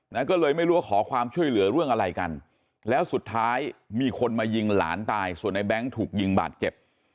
นะก็เลยไม่รู้ว่าขอความช่วยเหลือเรื่องอะไรกันแล้วสุดท้ายมีคนมายิงหลานตายส่วนในแบงค์ถูกยิงบาดเจ็บ